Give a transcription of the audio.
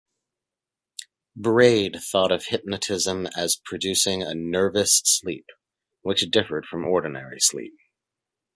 Braid thought of hypnotism as producing a "nervous sleep" which differed from ordinary sleep.